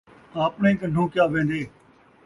آپݨے ڳنڈھوں کیا ویندے